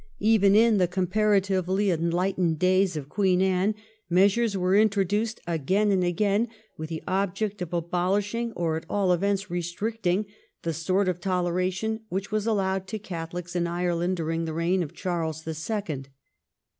Even in the comparatively enlightened days of Queen Anne measures were introduced again and again with the object of abolishing, or at all events restricting, the sort of toleration which was allowed to Catholics in Ireland during the reign of Charles the Second.